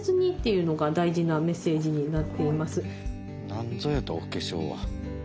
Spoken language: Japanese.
何ぞやとお化粧は。